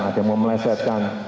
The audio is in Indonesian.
ada yang mau melesetkan